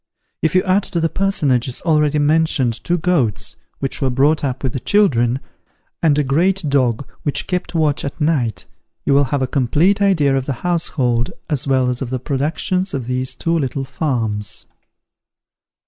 If you add to the personages already mentioned two goats, which were brought up with the children, and a great dog, which kept watch at night, you will have a complete idea of the household, as well as of the productions of these two little farms.